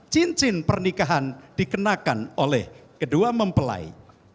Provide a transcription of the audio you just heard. cincin pernikahan dikenakan oleh kedua mempelai